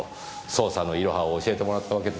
捜査のイロハを教えてもらったわけですか。